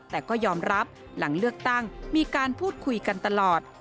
แต่ก็ยอมรับหลังเลือกตั้งมีการพูดคุยกันตลอด